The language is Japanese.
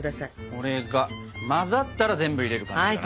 これが混ざったら全部入れる感じかな。